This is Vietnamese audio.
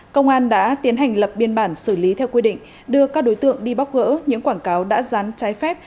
công an đã tiến hành lập biên bản xử lý theo quy định đưa các đối tượng đi bóc gỡ những quảng cáo đã rán trái phép